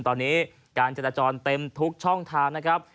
ตอนนี้การจราจรเต็มทุกช่องทางนะครับ